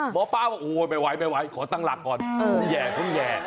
หมอป้าว่าโอ้โหไม่ไหวขอตั้งหลักก่อนแย่